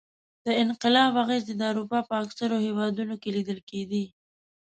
د انقلاب اغېزې د اروپا په اکثرو هېوادونو کې لیدل کېدې.